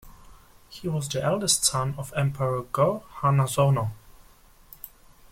He was the eldest son of Emperor Go-Hanazono.